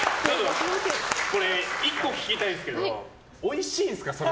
１個聞きたいんですけどおいしいんですか？